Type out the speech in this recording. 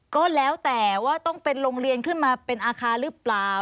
ก็แล้วแต่ว่าต้องเป็นโรงเรียนขึ้นมาเป็นอาคารหรือเปล่า